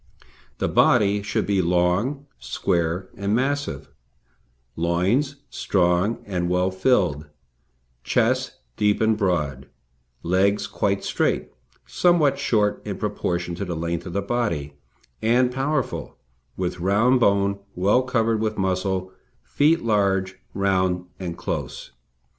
The body should be long, square, and massive, loins strong and well filled; chest deep and broad; legs quite straight, somewhat short in proportion to the length of the body, and powerful, with round bone well covered with muscle; feet large, round, and close.